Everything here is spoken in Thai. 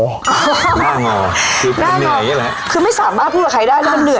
คือมันเหนื่อยเงี้ยแหละคือไม่สามารถพูดกับใครได้แล้วมันเหนื่อย